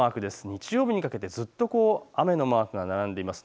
日曜日にかけてずっと雨のマークが並んでいます。